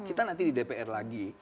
karena nanti di dpr lagi